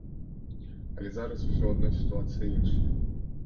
Але зараз усё адно сітуацыя іншая.